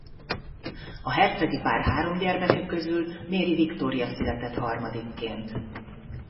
A hercegi pár három gyermeke közül Mary Victoria született harmadikként.